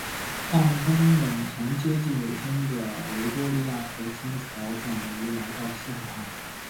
矿工们从接近尾声的维多利亚淘金潮转移来到西海岸。